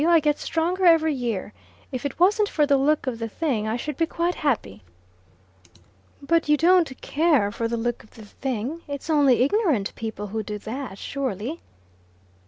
I get stronger every year. If it wasn't for the look of the thing, I should be quite happy." "But you don't care for the look of the thing. It's only ignorant people who do that, surely."